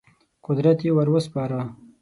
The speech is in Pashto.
قدرت یې ور وسپاره.